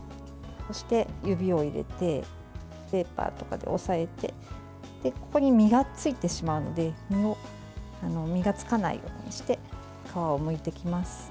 そして指を入れてペーパーとかで押さえてここに身がついてしまうので身がつかないようにして皮をむいていきます。